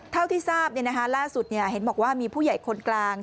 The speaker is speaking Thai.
เท่าที่ทราบล่าสุดเห็นบอกว่ามีผู้ใหญ่คนกลาง